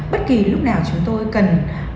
bất kỳ lúc nào chúng tôi cần